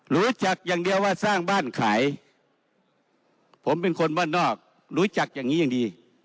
รู้จักอย่างเดียวว่าสร้างบ้านขายผมเป็นคนบ้านนอกรู้จักอย่างนี้อย่างดี